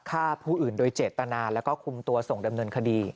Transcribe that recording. ฆ่าผู้อื่นโดยเจตนาแล้วก็คุมตัวส่งดำเนินคดี